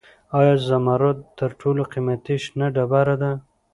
آیا زمرد تر ټولو قیمتي شنه ډبره ده؟